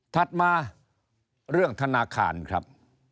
ถัดมาเรื่องธนาคารครับ